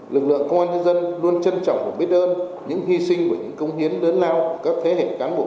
lực lượng công an nhân dân luôn trân trọng và biết ơn những hy sinh và những công hiến lớn lao của các thế hệ cán bộ